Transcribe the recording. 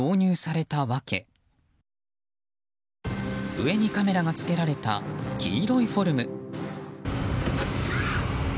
上にカメラがつけられた黄色いフォルム。